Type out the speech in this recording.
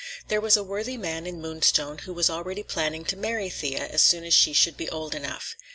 There was a worthy man in Moonstone who was already planning to marry Thea as soon as she should be old enough.